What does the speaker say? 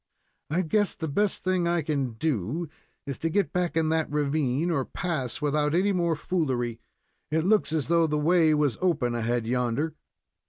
"I guess the best thing I can do is to get back in that ravine or pass without any more foolery. It looks as though the way was open ahead yonder."